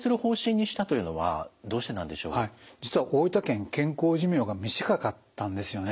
実は大分県健康寿命が短かったんですよね。